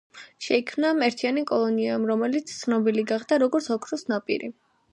შეიქმნა ერთიანი კოლონია, რომელიც ცნობილი გახდა, როგორც ოქროს ნაპირი.